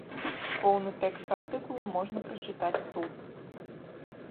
Поўны тэкст артыкула можна прачытаць тут.